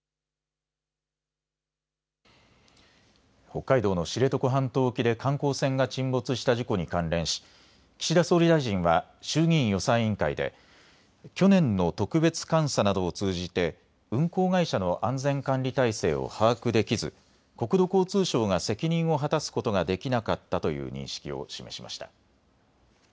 北海道の知床半島沖で観光船が沈没した事故に関連し岸田総理大臣は衆議院予算委員会で去年の特別監査などを通じて運航会社の安全管理体制を把握できず国土交通省が責任を果たすことができなかったという認識を示しました。